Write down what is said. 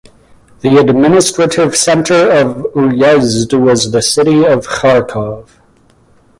The administrative centre of uyezd was the city of Kharkov.